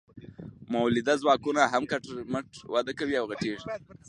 مؤلده ځواکونه هم کټ مټ وده کوي او غټیږي.